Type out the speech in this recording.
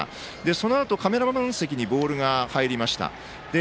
そのあと、カメラマン席にボールが入りました。